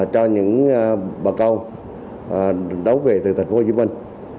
cho những bà con đấu về từ thành phố hồ chí minh